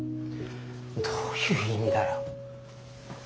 どういう意味だよ。